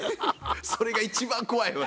それが一番怖いわ。